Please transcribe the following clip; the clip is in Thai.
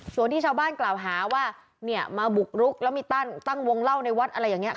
ส่วนที่ชาวบ้านกล่าวหาว่าเนี่ยมาบุกรุกแล้วมีตั้งวงเล่าในวัดอะไรอย่างนี้